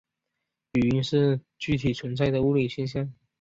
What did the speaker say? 语音是具体存在的物理现象。